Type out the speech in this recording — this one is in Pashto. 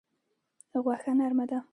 غوښه نرمه ده.